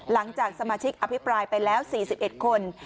หลังจากสมาชิกอภิปรายไปแล้ว๔๑คน